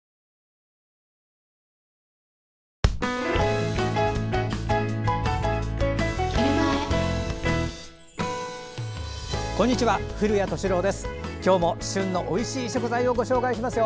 今日も旬のおいしい食材をご紹介しますよ。